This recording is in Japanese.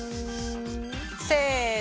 せの！